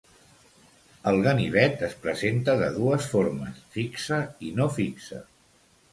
El ganivet es presenta de dues formes, fixe i no fixe.